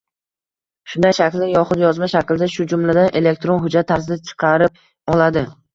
shunday shaklda yoxud yozma shaklda, shu jumladan elektron hujjat tarzida chaqirib oladi.